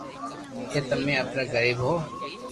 ڪي تمي ايتا غريب ھون